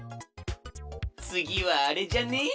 つぎはあれじゃね？